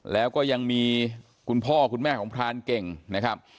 แล้วก็ยังมีคุณพ่อคุณแม่ของพรานเก่งนะครับ